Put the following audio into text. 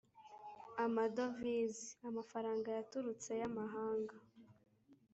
amadovize: amafaranga yaturutse y’amahanga.